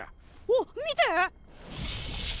おっ見て！